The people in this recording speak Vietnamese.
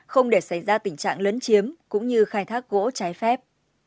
không để xảy ra tình trạng lấn chiếm cũng như khai thác gỗ trái phép